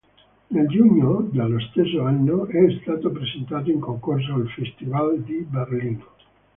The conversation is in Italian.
Nel giugno dello stesso anno è stato presentato in concorso al Festival di Berlino.